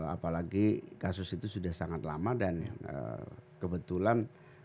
apalagi kasus itu sudah sangat lama dan kebetulan